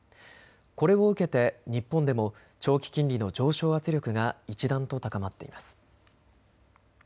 これを受けて日本でも長期金利の上昇圧力が一段と高まっています。